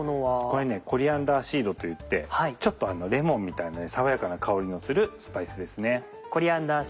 これコリアンダーシードといってちょっとレモンみたいな爽やかな香りのするスパイスですね。